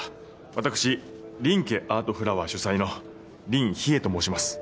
私林家アートフラワー主催の林秘影と申します。